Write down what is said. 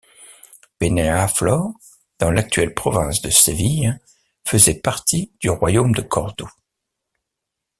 Peñaflor, dans l'actuelle province de Séville, faisait partie du royaume de Cordoue.